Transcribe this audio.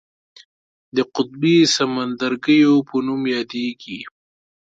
د قطبي سمندرګیو په نوم یادیږي.